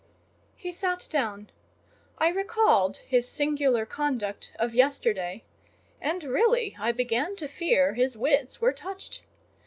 He sat down. I recalled his singular conduct of yesterday, and really I began to fear his wits were touched.